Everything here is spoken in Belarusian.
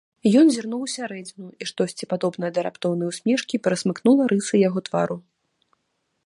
Ён зірнуў усярэдзіну, і штосьці падобнае да раптоўнай усмешкі перасмыкнула рысы яго твару.